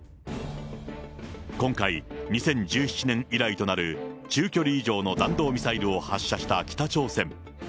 今回、２０１７年以来となる中距離以上の弾道ミサイルを発射した北朝鮮。